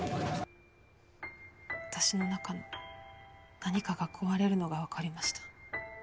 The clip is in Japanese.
私の中の何かが壊れるのがわかりました。